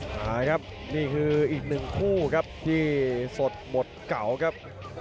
มาครับนี่คืออีกหนึ่งคู่ครับที่สดหมดเก่าครับ